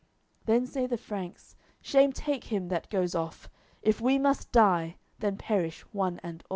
Then say the Franks "Shame take him that goes off: If we must die, then perish one and all."